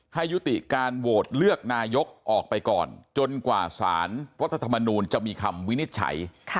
ให้ยุติการโหวตเลือกนายกออกไปก่อนจนกว่าสารรัฐธรรมนูลจะมีคำวินิจฉัย